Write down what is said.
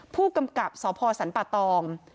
ผู้กำกับสพสรรปะตอง